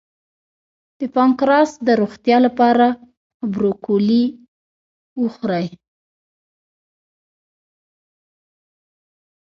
د پانکراس د روغتیا لپاره بروکولي وخورئ